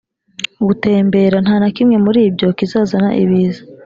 gutembera. nta na kimwe muri ibyo kizazana ibiza.